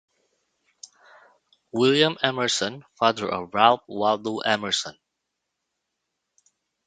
William Emerson, father of Ralph Waldo Emerson.